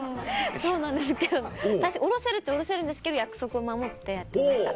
そうなんですけど下ろせるっちゃ下ろせるんですけど約束を守ってやってました。